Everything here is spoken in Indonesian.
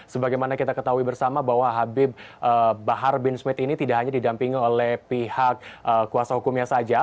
sebagaimana kita ketahui bersama bahwa habib bahar bin smith ini tidak hanya didampingi oleh pihak kuasa hukumnya saja